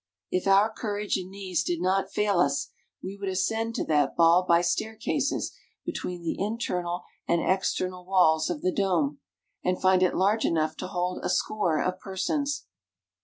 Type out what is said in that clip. If our courage and knees did not fail us, we would ascend to that ball by staircases between the internal and external walls of the dome, and find it large enough to hold a score of persons.